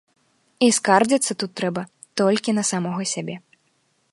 І скардзіцца тут трэба толькі на самога сябе.